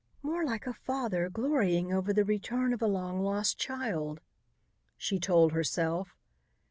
"More like a father glorying over the return of a long lost child," she told herself.